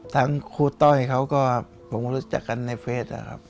ทั้งครูต้อยเขาก็ผมก็รู้จักกันในเฟสนะครับ